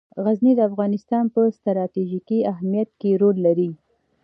غزني د افغانستان په ستراتیژیک اهمیت کې رول لري.